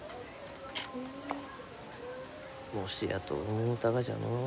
もしやと思うたがじゃのう。